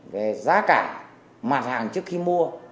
về giá cả mặt hàng trước khi mua